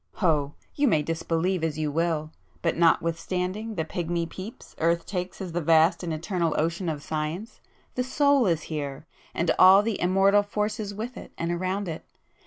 Oh, you may disbelieve as you will,—but notwithstanding the pigmy peeps earth takes at the vast and eternal ocean of Science, the Soul is here, and all the immortal forces with it and around it!